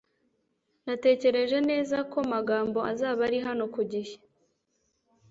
Natekereje neza ko Magambo azaba ari hano ku gihe .